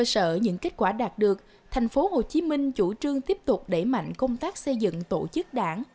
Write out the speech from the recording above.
sở những kết quả đạt được thành phố hồ chí minh chủ trương tiếp tục đẩy mạnh công tác xây dựng tổ chức đảng